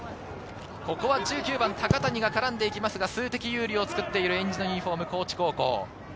１９番・高谷が絡んで行きますが数的優位を作っているえんじのユニホーム、高知高校。